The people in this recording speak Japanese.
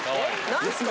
何すか？